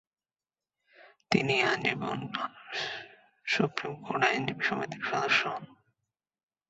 তিনি আজীবন supreme court আইনজীবী সমিতির সদস্য হন।